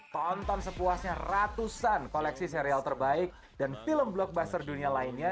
tonton sepuasnya ratusan koleksi serial terbaik dan film blockbuster dunia lainnya